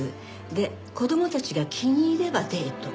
で子供たちが気に入ればデート。